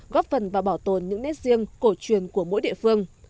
góp phần và bảo tồn những nét riêng cổ truyền của mỗi địa phương